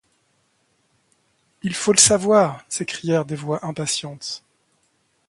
Il faut le savoir, s’écrièrent des voix impatientes.